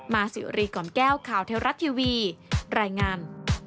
สิวรีกล่อมแก้วข่าวเทวรัฐทีวีรายงาน